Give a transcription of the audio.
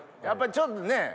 やっぱちょっとね。